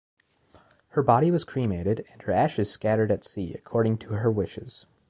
Her body was cremated, and her ashes scattered at sea, according to her wishes.